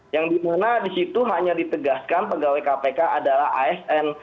yang dimana disitu hanya ditegaskan pegawai kpk adalah asn